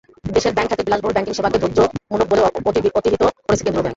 দেশের ব্যাংক খাতের বিলাসবহুল ব্যাংকিং সেবাকে বৈষম্যমূলক বলে অভিহিত করেছে কেন্দ্রীয় ব্যাংক।